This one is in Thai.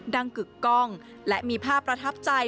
กึกกล้องและมีภาพประทับใจ